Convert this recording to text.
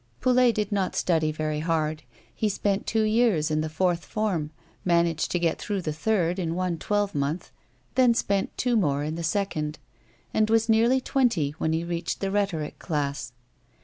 Poulet did not study very hard ; he spent two years in the fourth form, managed to get through the third in one twelvemonth, then spent two more in the second, and was nearly twenty when he reached the rhetoric class.